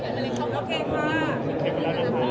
ได้แค่ว่าเขาไม่ได้รัก